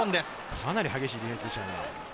かなり激しいディフェンスでしたね。